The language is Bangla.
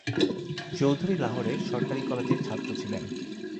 চৌধুরী লাহোরের সরকারী কলেজের ছাত্র ছিলেন।